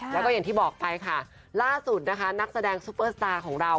แล้วก็อย่างที่บอกไปค่ะล่าสุดนะคะนักแสดงซุปเปอร์สตาร์ของเรา